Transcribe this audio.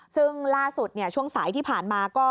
ซึ่งล่าสุดช่วงสายที่ผ่านมาก็